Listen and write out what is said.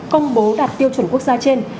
công bố đạt tiêu chuẩn quốc gia trên